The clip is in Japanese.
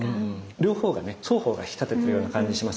両方がね双方が引き立ててるような感じしますよね。